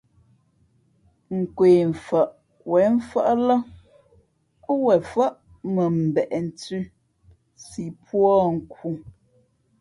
Nkwe mfαʼ wěn mfάʼ lά ά wen fάʼ mα mbeʼ nthʉ̄ si pūᾱ nkhu.